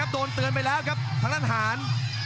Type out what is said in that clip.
โดนเตือนไปแล้วครับทางด้านหาร